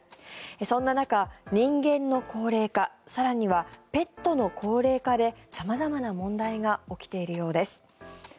そんな中、人間の高齢化更にはペットの高齢化で様々な問題が起きているようです。